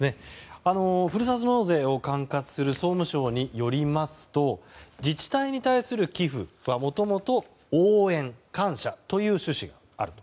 ふるさと納税を管轄する総務省によりますと自治体に対する寄付はもともと応援・感謝という趣旨があると。